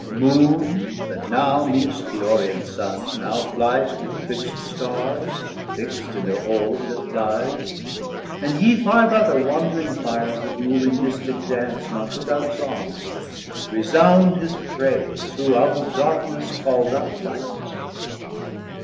Moon, that now meetst the orient Sun, now fli'st With the fixt Starrs, fixt in thir Orb that flies, And yee five other wandring Fires that move In mystic Dance not without Song, resound His praise, who out of Darkness call'd up Light.